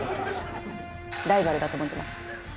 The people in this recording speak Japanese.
ライバルだと思ってます。